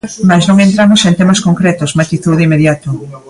Mais non entramos en temas concretos, matizou de inmediato.